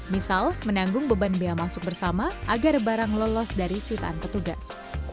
misal menanggung beban bea masuk bersama agar barang lolos dari sitaan petugas